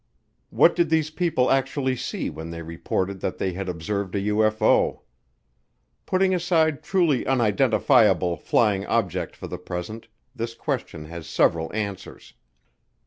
What did these people actually see when they reported that they had observed a UFO? Putting aside truly unidentifiable flying objects for the present, this question has several answers.